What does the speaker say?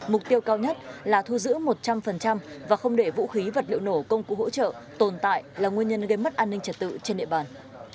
mục tiêu cao nhất là thu giữ một trăm linh và không để vũ khí vật liệu nổ công cụ hỗ trợ tồn tại là nguyên nhân gây mất an ninh trật tự trên địa bàn